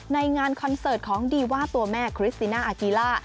ในงานคอนเสิร์ตของดีว่าตัวแม่คริสติน่าอากีล่า